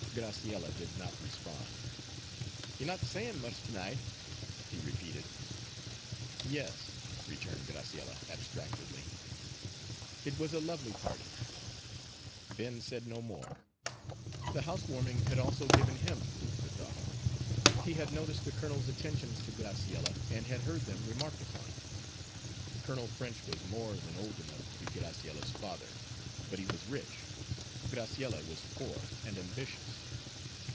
Graciella did not respond. "You're not sayin' much to night," he repeated. "Yes," returned Graciella abstractedly, "it was a lovely party!" Ben said no more. The house warming had also given him food for thought. He had noticed the colonel's attentions to Graciella, and had heard them remarked upon. Colonel French was more than old enough to be Graciella's father; but he was rich. Graciella was poor and ambitious.